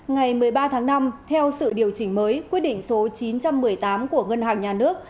ngày một mươi ba tháng năm theo sự điều chỉnh mới quyết định số chín trăm một mươi tám của ngân hàng nhà nước